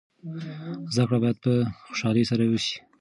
زده کړه باید په خوشحالۍ سره وسي.